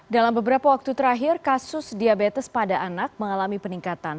dalam beberapa waktu terakhir kasus diabetes pada anak mengalami peningkatan